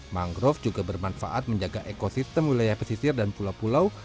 mangrove juga bermanfaat menjaga ekosistem wilayah pesisir dan pulau pulau